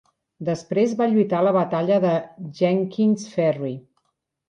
Després va lluitar a la batalla de Jenkins Ferry.